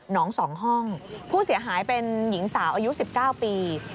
น้อง๒ห้องผู้เสียหายเป็นหญิงสาวอายุ๑๙ปี